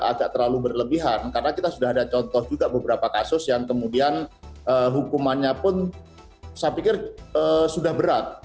agak terlalu berlebihan karena kita sudah ada contoh juga beberapa kasus yang kemudian hukumannya pun saya pikir sudah berat